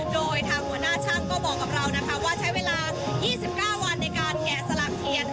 โดยทางหัวหน้าช่างก็บอกกับเรานะคะว่าใช้เวลา๒๙วันในการแกะสลักเทียน